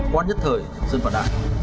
quan nhất thời dân vạn đại